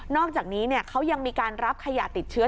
อกจากนี้เขายังมีการรับขยะติดเชื้อ